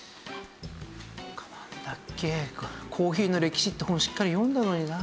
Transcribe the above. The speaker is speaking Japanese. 『コーヒーの歴史』って本しっかり読んだのになあ。